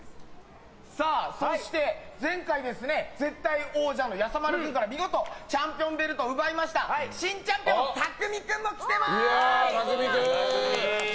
そして、前回絶対王者のやさまる君から見事チャンピオンベルトを奪いました新チャンピオンのたくみ君も来てます！